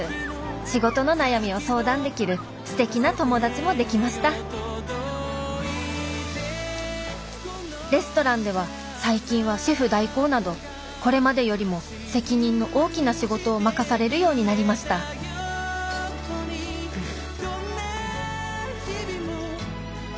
仕事の悩みを相談できるすてきな友達もできましたレストランでは最近はシェフ代行などこれまでよりも責任の大きな仕事を任されるようになりましたうん。